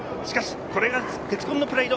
これが鉄紺のプライド。